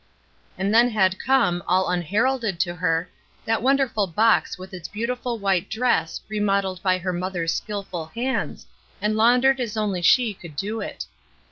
And then had come, all unheralded to her, that wonderful box with its beautiful white dress remodelled by her mother's skilful hands, and laundered as only she could do it.